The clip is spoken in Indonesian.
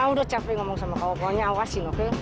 ah udah capek ngomong sama kau kau ini awasin oke